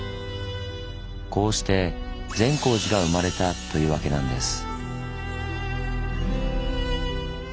こうして善光寺が生まれたというわけなんです。